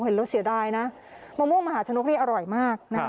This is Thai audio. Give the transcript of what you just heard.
เห็นแล้วเสียดายนะมะม่วงมหาชนกนี่อร่อยมากนะ